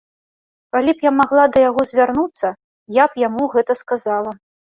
Калі б я магла да яго звярнуцца, я б яму гэта сказала.